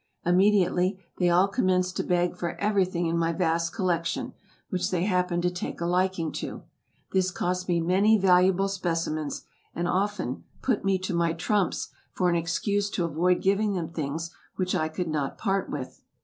Immediately, they all commenced to beg for everything in my vast collection, which they happened to take a liking to. This cost me many valuable specimens, and often "put me to my trumps" for an excuse to avoid giving them things which I could not part with.